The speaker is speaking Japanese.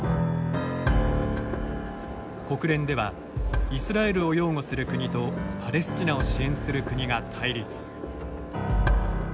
国連ではイスラエルを擁護する国とパレスチナを支援する国が対立。